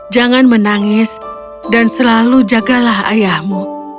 jangan menangis dan selalu jagalah ayahmu